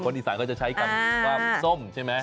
คนอีสานก็จะใช้คำความส้มใช่ไหม